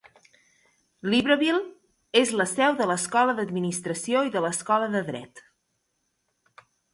Libreville és la seu de l'Escola d'Administració i de l'Escola de Dret.